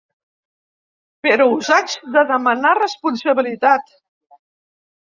Però us haig de demanar responsabilitat.